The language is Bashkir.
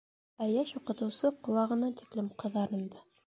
Ә йәш уҡытыусы ҡолағына тиклем ҡыҙарынды.